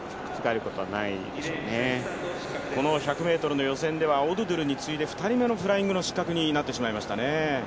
この１００ｍ予選ではオドゥドゥルに続いて２人目のフライングの失格になってしまいました。